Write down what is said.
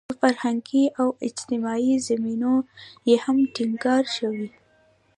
پر فرهنګي او اجتماعي زمینو یې هم ټینګار شوی.